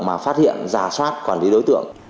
để phát hiện giả soát quản lý đối tượng